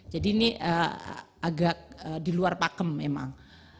jadi ini agak diluar pakem memang